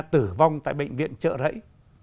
tử vong tại bệnh viện chợ rẫy